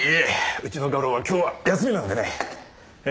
うちの画廊は今日は休みなんでね。